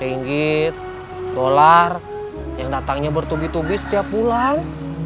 ringgit dolar yang datangnya bertubi tubi setiap bulan